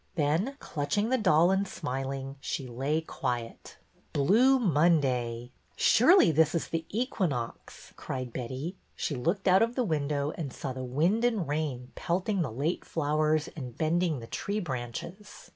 Then, clutching the doll and smiling, she lay quiet. EDWYNA FROM THE WEST 183 Blue Monday ! Surely this is the equinox," cried Betty. She looked out of the window and saw the wind and the rain pelting the late flowers and bending the tree branches.